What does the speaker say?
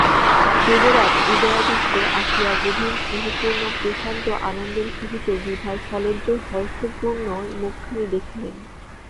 যুবরাজ উদয়াদিত্য আসিয়া গভীর স্নেহপূর্ণ প্রশান্ত আনন্দের সহিত বিভার সলজ্জ হর্ষপূর্ণ মুখখানি দেখিলেন।